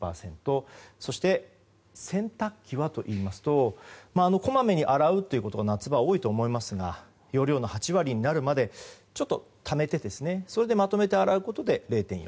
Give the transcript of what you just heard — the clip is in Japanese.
そして洗濯機はこまめに洗うということは夏場は多いと思いますが容量の８割になるまでちょっとためてそれでまとめて洗うことで０．４％。